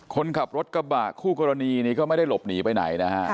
คนขับรถกระบะคู่กรณีนี้ก็ไม่ได้หลบหนีไปไหนนะฮะ